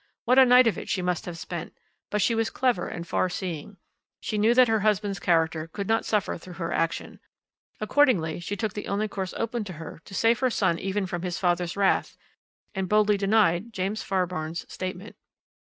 what a night of it she must have spent; but she was clever and far seeing. She knew that her husband's character could not suffer through her action. Accordingly, she took the only course open to her to save her son even from his father's wrath, and boldly denied James Fairbairn's statement.